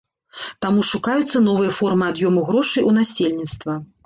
Таму шукаюцца новыя формы ад'ёму грошай у насельніцтва.